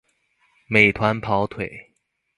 美团跑腿